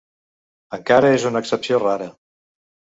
Encara és una excepció rara